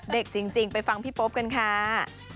เด็กจริงไปฟังพี่โป๊ปกันค่ะ